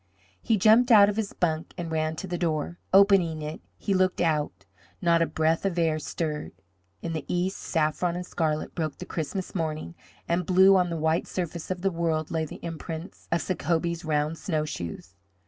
He jumped out of his bunk and ran to the door. Opening it, he looked out. Not a breath of air stirred. In the east, saffron and scarlet, broke the Christmas morning, and blue on the white surface of the world lay the imprints of Sacobie's round snowshoes.